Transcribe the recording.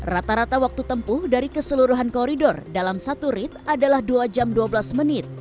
rata rata waktu tempuh dari keseluruhan koridor dalam satu rit adalah dua jam dua belas menit